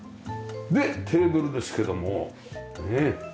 でテーブルですけどもねえ。